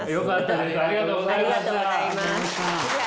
ありがとうございます。